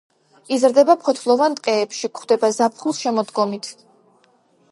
იზრდება ფოთლოვან ტყეებში, გვხვდება ზაფხულ-შემოდგომით.